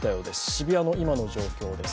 渋谷の今の状況です。